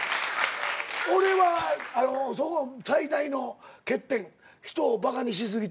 俺はそこ最大の欠点人をバカにし過ぎてるんです。